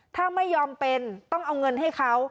ถ้าไม่ยอมเป็นต้องเอาเงินให้เขา